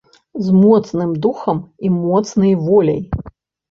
З моцным духам і моцнай воляй.